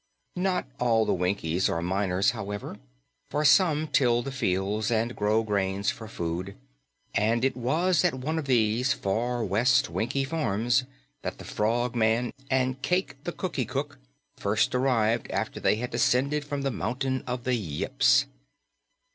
Not all the Winkies are miners, however, for some till the fields and grow grains for food, and it was at one of these far west Winkie farms that the Frogman and Cayke the Cookie Cook first arrived after they had descended from the mountain of the Yips.